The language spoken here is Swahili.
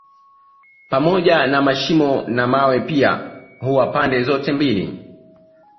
Pamoja na mashimo na mawe pia huwa pande zote mbili